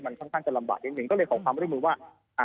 มันค่อนข้างจะลำบากเลยหนึ่งก็เลยขอความรู้สึกว่า